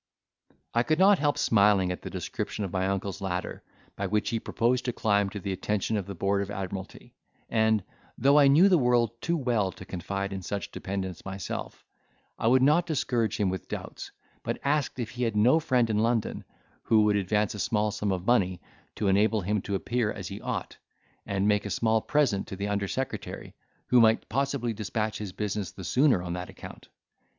I could not help smiling at the description of my uncle's ladder, by which he proposed to climb to the attention of the board of admiralty; and, though I knew the world too well to confide in such dependence myself, I would not discourage him with doubts, but asked if he had no friend in London, who would advance a small sum of money to enable him to appear as he ought, and make a small present to the under secretary, who might possibly dispatch his business the sooner on that account.